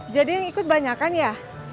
jadi yang ikut banyakanci ya